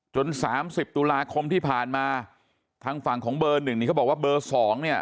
จน๓๐ตุลาคมที่ผ่านมาทางฝั่งของเบอร์๑เขาบอกว่าเบอร์๒เนี่ย